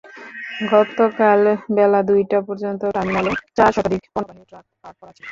গতকাল বেলা দুইটা পর্যন্ত টার্মিনালে চার শতাধিক পণ্যবাহী ট্রাক পার্ক করা ছিল।